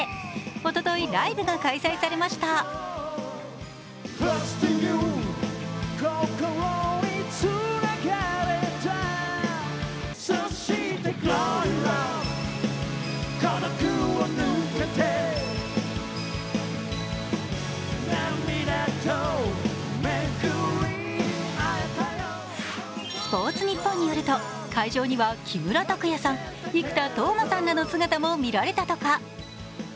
おととい、ライブが開催されました「スポーツニッポン」によると、会場には木村拓哉さん、生田斗真さんらの姿も見られたとか。